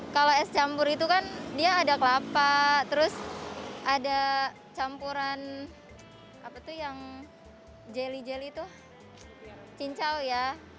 kalau es campur itu kan dia ada kelapa terus ada campuran apa tuh yang jelly jelly itu cincau ya